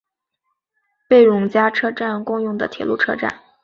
贝冢车站共用的铁路车站。